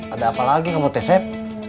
ada apa lagi kamu teh sep